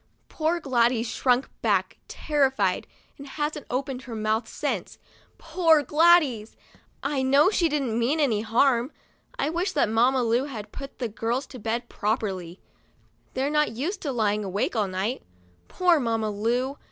Poor Gladys shrunk back, terrified, and hasn't opened her mouth since. Poor Gladys ! I know she didn't mean any harm. 1 wish that Mamma Lu had put the girls to bed properly. They're not used to lying awake all night. Poor Mamma Lu